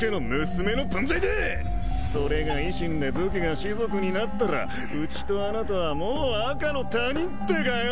それが維新で武家が士族になったらうちとあなたはもう赤の他人ってかよ！